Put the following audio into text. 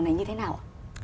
này như thế nào